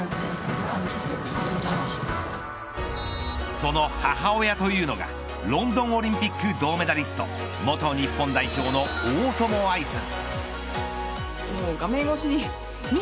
その母親というのがロンドンオリンピック銅メダリスト元日本代表の大友愛さん。